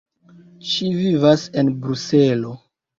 Ŝi vivas en Bruselo.